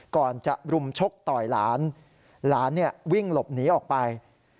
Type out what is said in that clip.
ก่อนจะรุมชกต่อยหลานหลานวิ่งหลบหนีออกไป